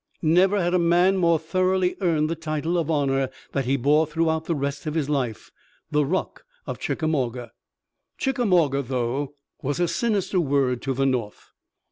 Never had a man more thoroughly earned the title of honor that he bore throughout the rest of his life, "The Rock of Chickamauga." Chickamauga, though, was a sinister word to the North.